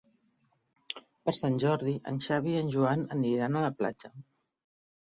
Per Sant Jordi en Xavi i en Joan aniran a la platja.